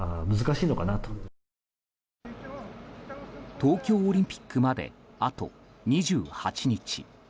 東京オリンピックまであと２８日。